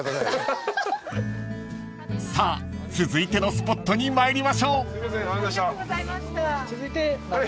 ［さあ続いてのスポットに参りましょう］